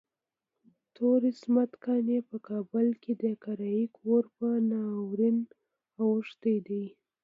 تور عصمت قانع په کابل کې د کرايي کور په ناورين اوښتی دی.